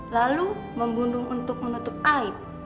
lalu membunuh untuk menutup aib